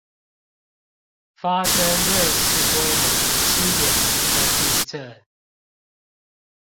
發生苪氏規模七點零的地震